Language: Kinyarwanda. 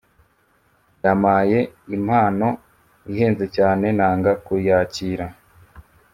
Yamaye impano ihenze cyane nanga kuyakira